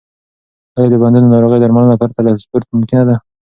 آیا د بندونو ناروغي درملنه پرته له سپورت ممکنه ده؟